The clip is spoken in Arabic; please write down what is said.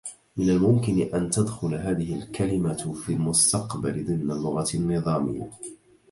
من الممكن أن تدخل هذه الكلمة في المستقبل ضمن اللغة النظامية.